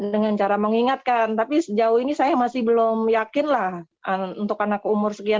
dengan cara mengingatkan tapi sejauh ini saya masih belum yakinlah untuk anak umur sekian